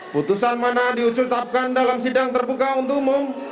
putusan mana diucultapkan dalam sidang terbuka untuk umum